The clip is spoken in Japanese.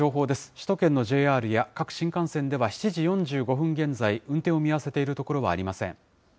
首都圏のＪＲや各新幹線では、７時４５分現在、運転を見合わせているところはありません。